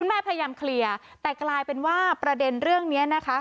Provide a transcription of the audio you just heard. แม่พยายามเคลียร์แต่กลายเป็นว่าประเด็นเรื่องนี้นะคะ